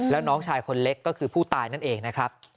แล้วน้องชายคนเล็กก็คือผู้ตายนั่นเองนะครับ